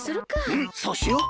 うんそうしよう！